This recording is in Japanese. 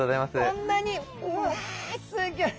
こんなにうわすギョい！